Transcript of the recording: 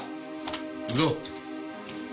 行くぞ。